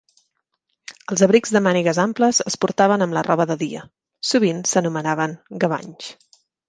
Els abrics de mànigues amples es portaven amb la roba de dia; sovint s'anomenaven "gavanys".